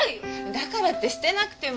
だからって捨てなくても。